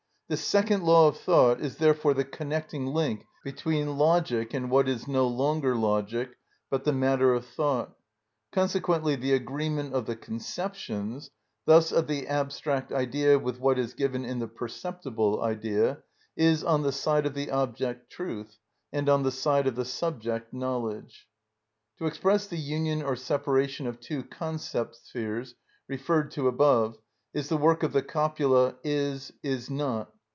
This second law of thought is therefore the connecting link between logic and what is no longer logic, but the matter of thought. Consequently the agreement of the conceptions, thus of the abstract idea with what is given in the perceptible idea, is, on the side of the object truth, and on the side of the subject knowledge. To express the union or separation of two concept spheres referred to above is the work of the copula, "is—is not."